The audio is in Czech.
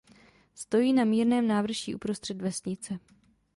Stojí na mírném návrší uprostřed vesnice.